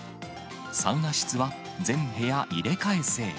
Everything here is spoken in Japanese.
サウナ室は全部屋入れ替え制。